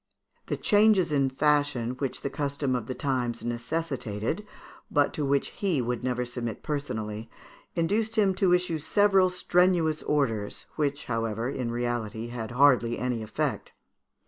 The changes in fashion which the custom of the times necessitated, but to which he would never submit personally, induced him to issue several strenuous orders, which, however, in reality had hardly any effect.